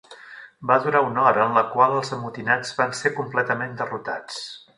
Va durar una hora en la qual els amotinats van ser completament derrotats.